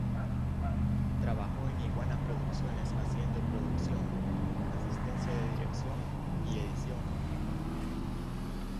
Trabajó en Iguana Producciones haciendo producción, asistencia de dirección y edición.